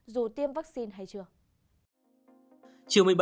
dù tiêm vaccine hay chưa